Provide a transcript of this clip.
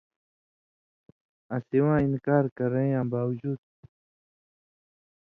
آں سِواں انکار کرَیں یاں باوجُود